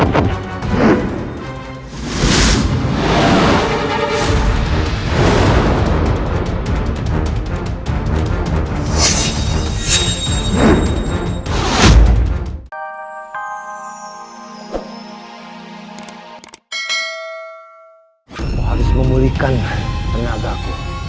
kau harus memulihkan tenagaku